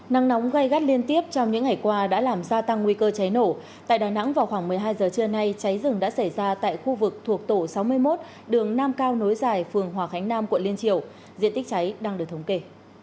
nắng nóng gây gắt liên tiếp trong những ngày qua đã làm gia tăng nguy cơ cháy nổ tại đà nẵng vào khoảng một mươi hai giờ trưa nay cháy rừng đã xảy ra tại khu vực thuộc tổ sáu mươi một đường nam cao nối dài phường hòa khánh nam quận liên triều diện tích cháy đang được thống kê